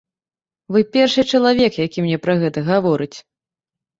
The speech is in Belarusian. Вы першы чалавек, які мне пра гэта гаворыць.